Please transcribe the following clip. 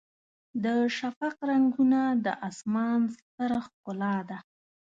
د شفق رنګونه د اسمان ستره ښکلا ده.